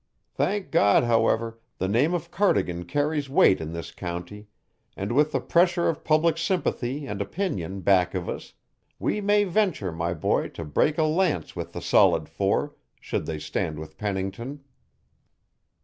Thank God, however, the name of Cardigan carries weight in this county, and with the pressure of public sympathy and opinion back of us, we may venture, my boy, to break a lance with the Solid Four, should they stand with Pennington."